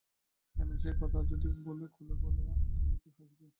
কেন সে কথা যদি খুলে বলি তো লোকে হাসবে।